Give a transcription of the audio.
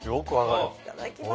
いただきます！